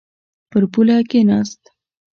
پر پوله کښېناست.